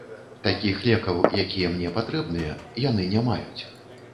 Такіх лекаў, якія мне патрэбныя, яны не маюць.